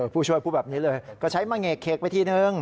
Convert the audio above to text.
ผู้ช่วยพูดแบบนี้เลยก็ใช้มาเงกเขกไปทีนึง